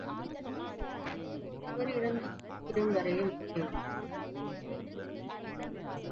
சுவர் இருந்தும் சித்திரம் வரைய முடியவில்லை.